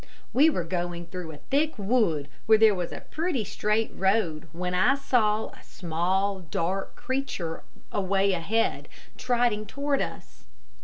We were going through a thick wood, where there was a pretty straight road, when I saw a small, dark creature away ahead, trotting toward us.